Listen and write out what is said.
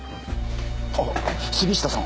ああ杉下さん